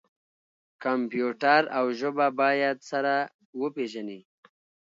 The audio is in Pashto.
کمپیوټر او ژبه باید سره وپیژني.